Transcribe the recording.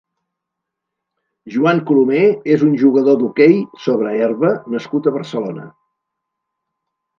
Juan Colomer és un jugador d'hoquei sobre herba nascut a Barcelona.